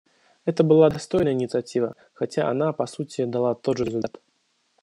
Это была достойная инициатива, хотя она, по сути, дала тот же результат.